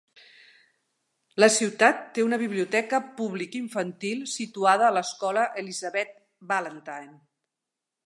La ciutat té una biblioteca públic infantil situada a l'escola Elizabeth Ballantyne.